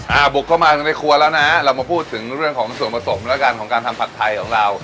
บุกเข้ามาในครัวแล้วนะเรามาพูดถึงเรื่องของส่วนผสมแล้วกันของการทำผัดไทยของเรา